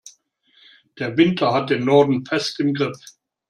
Der Winter hat den Norden fest im Griff.